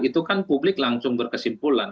itu kan publik langsung berkesimpulan